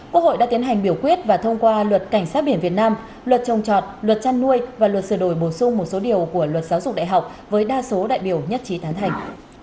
quốc hội đã tiến hành biểu quyết và thông qua luật cảnh sát biển việt nam luật trồng trọt luật chăn nuôi và luật sửa đổi bổ sung một số điều của luật giáo dục đại học với đa số đại biểu nhất trí tán thành